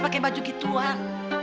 pakai baju gituan